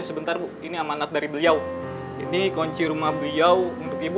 sebentar bu ini amanat dari beliau ini kunci rumah beliau untuk ibu